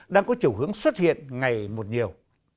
đang có chiều hướng xuất hiện ngày một nhiều